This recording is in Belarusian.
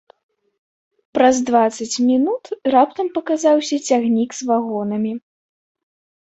Праз дваццаць мінут раптам паказаўся цягнік з вагонамі.